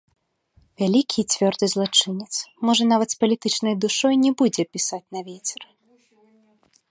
Вялікі і цвёрды злачынец, можа нават з палітычнай душой, не будзе пісаць на вецер.